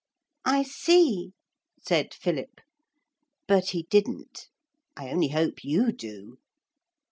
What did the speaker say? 'I see,' said Philip. But he didn't. I only hope you do.